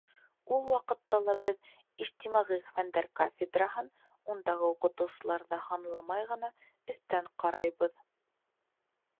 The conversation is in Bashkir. Ул ваҡытта ла беҙ ижтимағи фәндәр кафедраһын, ундағы уҡытыусыларҙы һанламай ғына, өҫтән ҡарайбыҙ.